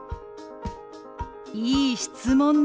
いい質問ね。